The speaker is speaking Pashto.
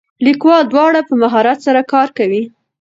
لیکوال دواړه په مهارت سره کاروي.